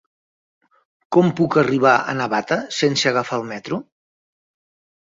Com puc arribar a Navata sense agafar el metro?